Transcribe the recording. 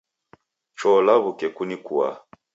Cho law'uke kunikua